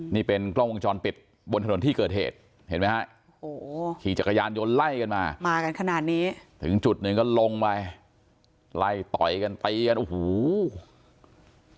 นี่เป็นกล้องวงจรปิดบนถนนที่เกิดเหตุเห็นไหมฮะโอ้โหขี่จักรยานยนต์ไล่กันมามากันขนาดนี้ถึงจุดหนึ่งก็ลงไปไล่ต่อยกันตีกันโอ้โห